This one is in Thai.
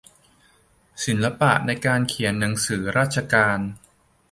ศิลปะในการเขียนหนังสือราชการ